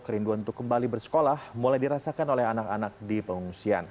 kerinduan untuk kembali bersekolah mulai dirasakan oleh anak anak di pengungsian